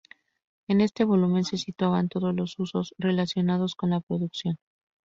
En este volumen se situaban todos los usos relacionados con la producción.